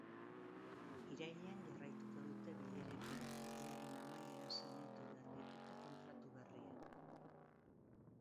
Irailean jarraituko dute bilerekin, urriaren amaieran sinatu behar baitute kontratu berria.